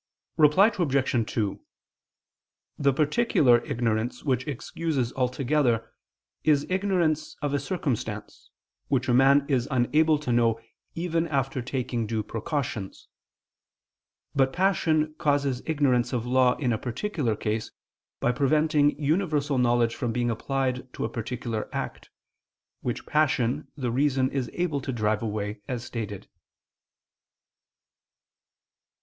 Reply Obj. 2: The particular ignorance which excuses altogether, is ignorance of a circumstance, which a man is unable to know even after taking due precautions. But passion causes ignorance of law in a particular case, by preventing universal knowledge from being applied to a particular act, which passion the reason is able to drive away, as stated.